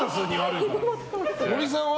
森さんは？